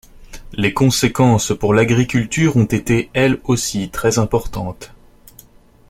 Les conséquences pour l'agriculture ont été elles aussi très importantes.